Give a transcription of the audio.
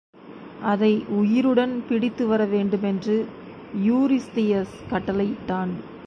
அதை உயிருடன் பிடித்து வர வேண்டுமென்று யூரிஸ்தியஸ் கட்டளையிட்டான்.